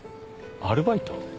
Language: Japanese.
アルバイト？